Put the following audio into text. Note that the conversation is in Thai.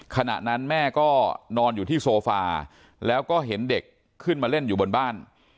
ขณะนั้นแม่ก็นอนอยู่ที่โซฟาแล้วก็เห็นเด็กขึ้นมาเล่นอยู่บนบ้าน